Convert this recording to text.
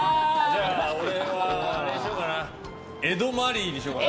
じゃあ俺は江戸マリーにしようかな。